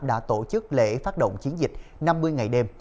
đã tổ chức lễ phát động chiến dịch năm mươi ngày đêm